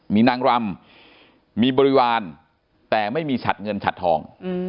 มีนางรำมีบริวารแต่ไม่มีฉัดเงินฉัดทอง